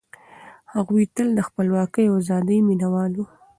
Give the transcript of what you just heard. هغوی تل د خپلواکۍ او ازادۍ مينه وال وو.